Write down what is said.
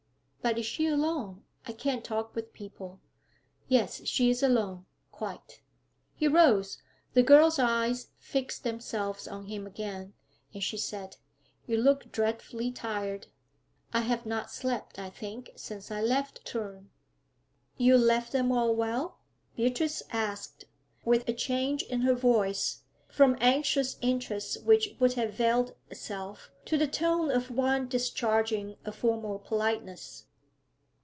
'But is she alone? I can't talk with people.' 'Yes, she is alone, quite.' He rose. The girl's eyes fixed themselves on him again, and she said: 'You look dreadfully tired.' 'I have not slept, I think, since I left Thun.' 'You left them all well?' Beatrice asked, with a change in her voice, from anxious interest which would have veiled itself, to the tone of one discharging a formal politeness.